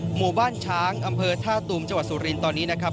หมู่บ้านช้างอำเภอท่าตูมจังหวัดสุรินทร์ตอนนี้นะครับ